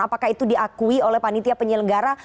apakah itu diakui oleh panitia penyelenggara